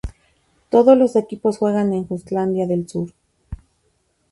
Todos los equipos juegan en Jutlandia del Sur.